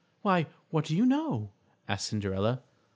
"Why, what do you know?" asked Cinderella.